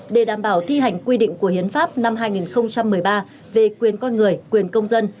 để đảm bảo thi hành quy định của hiến pháp năm hai nghìn một mươi ba về quyền con người quyền công dân